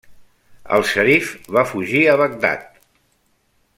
El xerif va fugir a Bagdad.